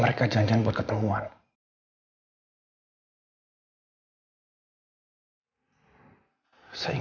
kenapa ini pagi pagi mereka ketemu disini